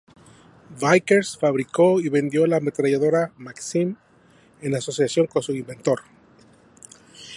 Vickers fabricó y vendió la ametralladora Maxim en asociación con su inventor.